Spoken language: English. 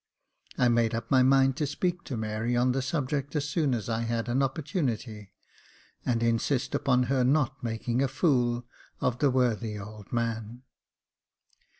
I made up my mind to speak to Mary on the subject as soon as I had an opportunity, and insist upon her not making a fool of the worthy old man.